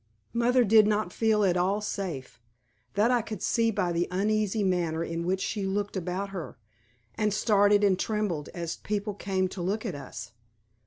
Mother did not feel at all safe; that I could see by the uneasy manner in which she looked about her, and started and trembled as people came to look at us.